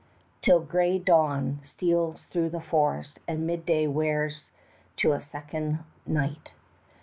. till gray dawn steals through the forest and midday wears to a second night.